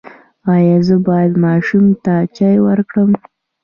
ایا زه باید ماشوم ته چای ورکړم؟